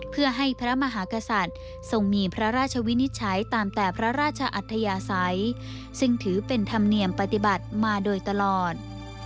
เพื่อให้พระมหากษัตริย์ทรงมีพระราชวินิจฉัยตามแต่พระราชอัธยาศัยซึ่งถือเป็นธรรมเนียมปฏิบัติมาโดยตลอด